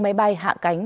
máy bay hạ cánh